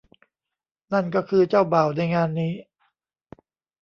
นั่นก็คือเจ้าบ่าวในงานนี้